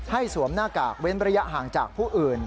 สวมหน้ากากเว้นระยะห่างจากผู้อื่น